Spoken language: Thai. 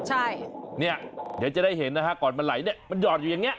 ใช่เนี่ยเดี๋ยวจะได้เห็นนะฮะก่อนมันไหลเนี่ยมันหอดอยู่อย่างเงี้